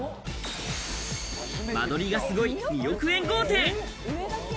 間取りがすごい２億円豪邸。